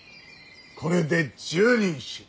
これで１０人衆。